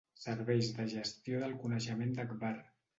Serveis de Gestió del Coneixement d'Agbar.